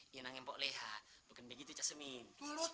iyanang empok lehak bukan begitu casemin